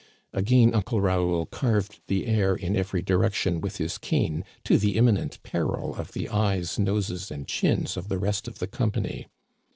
" Again Uncle Raoul carved the air in every direction with his cane, to the imminent peril of the eyes, noses, and chins of the rest of the company.